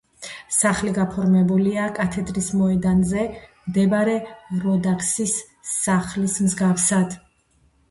სახლი გაფორმებულია კათედრის მოედანზე მდებარე როდაქსის სახლის მსგავსად.